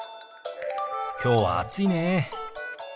きょうは暑いね。